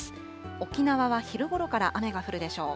沖縄は昼ごろから雨が降るでしょう。